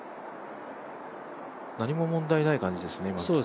何も問題ない感じですね、今のところ。